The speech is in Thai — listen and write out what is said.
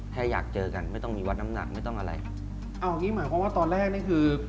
แค่อยากเจอกันไม่ต้องมีวัดน้ำหนักไม่ต้องอะไรเอาอย่างงี้หมายความว่าตอนแรกนี่คือ